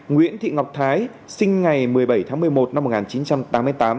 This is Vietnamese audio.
nguyễn thị ngọc thái sinh ngày một mươi bảy tháng một mươi một năm một nghìn chín trăm tám mươi tám